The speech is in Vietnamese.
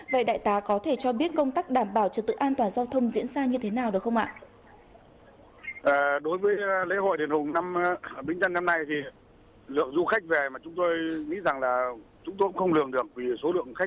vậy đại tá có thể cho biết công tác đảm bảo trật tự an toàn giao thông diễn ra như thế nào được không ạ